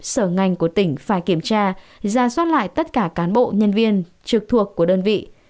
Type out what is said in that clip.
sở ngành của tỉnh phải kiểm tra ra soát lại tất cả cán bộ nhân viên trực thuộc của đơn vị